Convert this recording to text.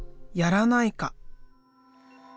やらないか。